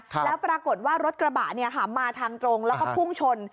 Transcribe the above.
แล้วปรากฏว่ารถกระบะเนี่ยหันมาทางตรงแล้วก็พุ่งชน